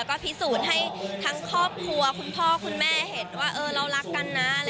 ก็พิสูจน์ให้ทั้งครอบครัวคุณพ่อคุณแม่เห็นว่าเรารักกันนะ